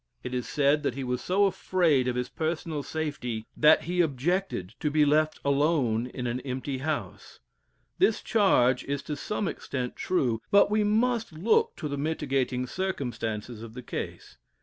It is said that he was so afraid of his personal safety, that he objected to be left alone in an empty house; this charge is to some extent true, but we must look to the mitigating circumstances of the case.